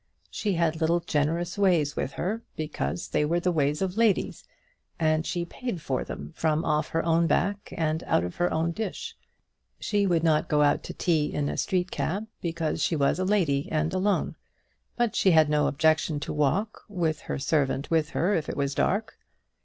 She had little generous ways with her, because they were the ways of ladies, and she paid for them from off her own back and out of her own dish. She would not go out to tea in a street cab, because she was a lady and alone; but she had no objection to walk, with her servant with her if it was dark.